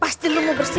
pasti lo mau bersih kan